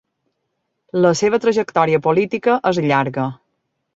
La seva trajectòria política és llarga.